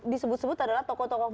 disebut sebut adalah tokoh tokoh